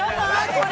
これ。